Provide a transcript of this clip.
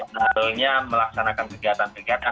seharusnya melaksanakan kegiatan kegiatan